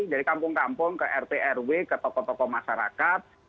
jadi kampung kampung ke rt rw ke tokoh tokoh masyarakat